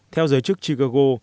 theo giới chức chicago